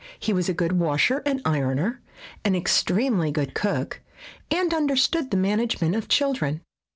He was a good washer and ironer, an extremely good cook, and understood the management of children.